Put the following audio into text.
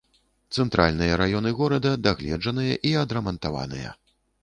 Цэнтральныя раёны горада дагледжаныя і адрамантаваныя.